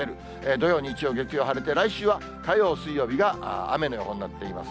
土曜、日曜、月曜、晴れて、来週は火曜、水曜日が雨の予報になっています。